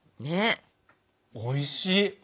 おいしい！